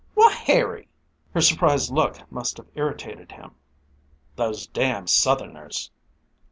"Why, Harry!" Her surprised look must have irritated him. "Those damn Southerners!"